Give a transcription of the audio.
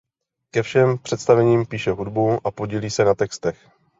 Ke všem představením píše hudbu a podílí se na textech.